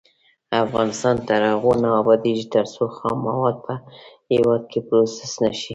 افغانستان تر هغو نه ابادیږي، ترڅو خام مواد په هیواد کې پروسس نشي.